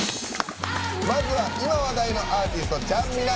まずは、今、話題のアーティストちゃんみな。